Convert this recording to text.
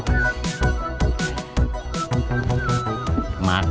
kamu mau kemana